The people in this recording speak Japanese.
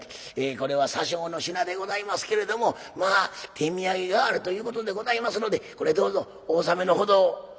これは些少の品でございますけれどもまあ手土産代わりということでございますのでこれどうぞお納めのほどを」。